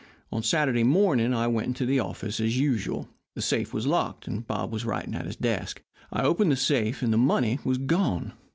On Saturday morning I went to the office as usual. The safe was locked, and Bob was writing at his desk. I opened the safe, and the money was gone.